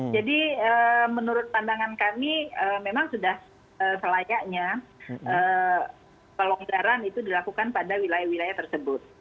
jadi menurut pandangan kami memang sudah selayaknya pelonggaran itu dilakukan pada wilayah wilayah tersebut